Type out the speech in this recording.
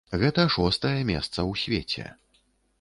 Гэта шостае месца ў свеце.